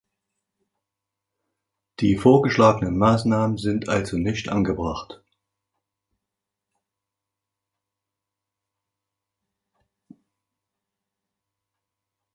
Die vorgeschlagenen Maßnahmen sind also nicht angebracht.